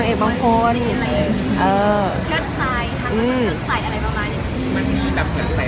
อะไรประมาณนี้